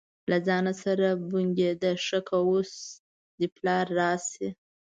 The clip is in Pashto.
له ځانه سره یې بنګېده: ښه که اوس دې پلار راشي.